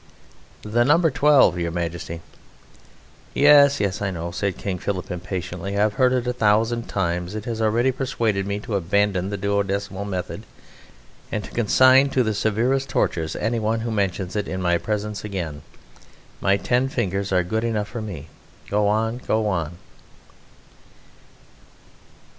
The number twelve, Your Majesty...." "Yes, yes, I know," said King Philip impatiently, "I have heard it a thousand times! It has already persuaded me to abandon the duodecimal method and to consign to the severest tortures any one who mentions it in my presence again. My ten fingers are good enough for me. Go on, go on!"